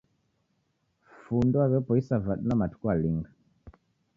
Fundi waw'epoisa vadu na matuku alinga?